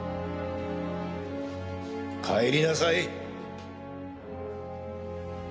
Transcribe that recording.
帰りなさい。